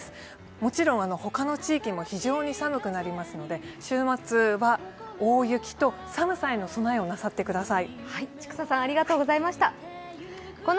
もちろん他の地域も非常に寒くなりますので、週末は大雪と寒さへの備えをなさってください。